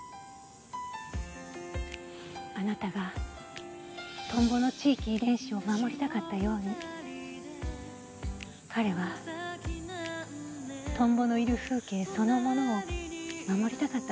あなたがトンボの地域遺伝子を守りたかったように彼はトンボのいる風景そのものを守りたかったのかもしれません。